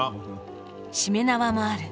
しめ縄もある。